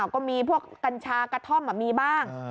ก็มีพวกกัญชากระท่อมมีบ้าง